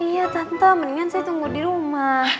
iya tanpa mendingan saya tunggu di rumah